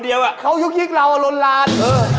พี่อย่าออกกับกัน